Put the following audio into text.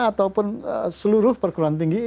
ataupun seluruh perguruan tinggi